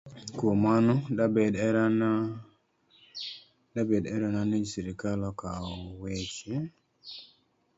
Kuom mano, de bed herona ni sirkal okaw weche